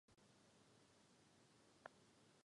Oba se podíleli na zabezpečení radiového spojení s Londýnem.